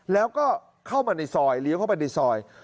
แล้วก็เข้ามาในซอยเลี้ยวเข้าไปในซอย